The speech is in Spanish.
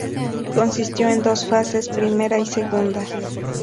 Consistió en dos fases: Primera y Segunda.